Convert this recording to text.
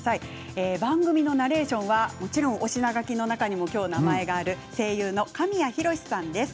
番組のナレーションはもちろん推し名がきの中にも名前がある声優の神谷浩史さんです。